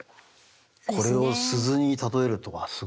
これを「鈴」に例えるとはすごい。